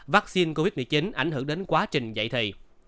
vaccine covid một mươi chín ảnh hưởng đến quá trình dạy thì